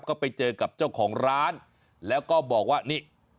ก็ไปเจอกับเจ้าของร้านแล้วก็บอกว่านี่